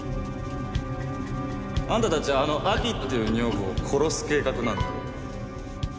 あんたたちあのアキっていう女房を殺す計画なんだろ？